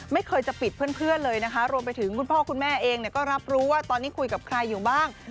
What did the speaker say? ไม่เคยจะปิดเพื่อนเลยนะคะรวมไปถึงคุณพ่อคุณแม่เองก็รับรู้ว่าตอนนี้คุยกับใครอยู่บ้าง